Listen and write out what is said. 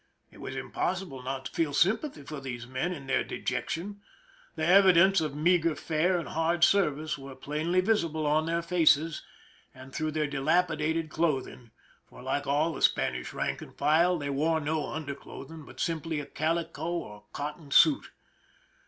It was impossible not to feel sympathy for these men in their dejection. The evidences of meager fare and hard service were plainly visible on their faces and through their dilapidated clothing, for, like all the Spanish rank and file, they wore no undercloth ing, but simply a calico or cotton suit.